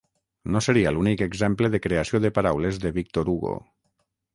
No seria l'únic exemple de creació de paraules de Victor Hugo.